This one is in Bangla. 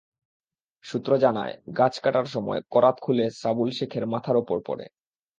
সূত্র জানায়, গাছ কাটার সময় করাত খুলে সাবুল শেখের মাথার ওপর পড়ে।